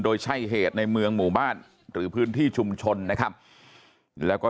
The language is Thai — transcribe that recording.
โดยใช่เหตุในเมืองหมู่บ้านหรือพื้นที่ชุมชนนะครับแล้วก็